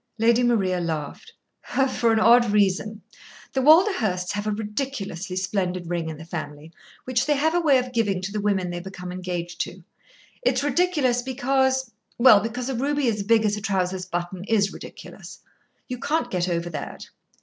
Lady Maria laughed. "For an odd reason. The Walderhursts have a ridiculously splendid ring in the family, which they have a way of giving to the women they become engaged to. It's ridiculous because well, because a ruby as big as a trouser's button is ridiculous. You can't get over that.